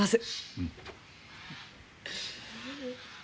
うん。